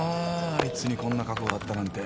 あいつにこんな過去があったなんて。